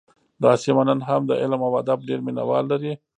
دا سیمه نن هم د علم او ادب ډېر مینه وال لري